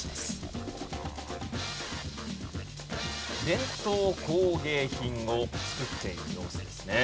伝統工芸品を作っている様子ですね。